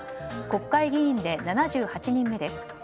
国会議員で７８人目です。